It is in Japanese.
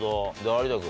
有田君。